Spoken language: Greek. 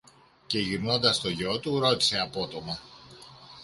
Και γυρνώντας στο γιο του ρώτησε απότομα